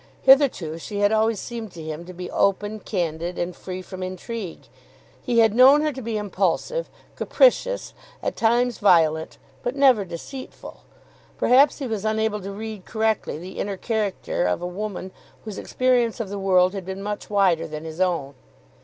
Hitherto she had always seemed to him to be open, candid, and free from intrigue. He had known her to be impulsive, capricious, at times violent, but never deceitful. Perhaps he was unable to read correctly the inner character of a woman whose experience of the world had been much wider than his own.